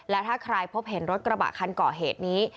และถ้าใครพบเห็นรถกระบะคันก่อเหตุนี้